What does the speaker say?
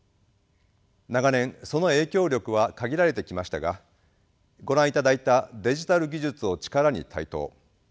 長年その影響力は限られてきましたがご覧いただいたデジタル技術を力に台頭。